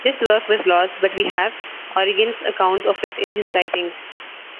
This work was lost, but we have Origen's account of it in his writings.